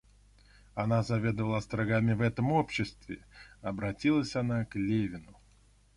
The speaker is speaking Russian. Она заведывала острогами в этом обществе, — обратилась она к Левину.